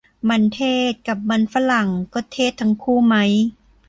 มันเทศ กับมันฝรั่ง ก็เทศทั้งคู่ไหม